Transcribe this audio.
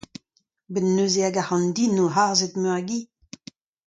A-benn neuze hag ac'hann di en devo harzhet meur a gi.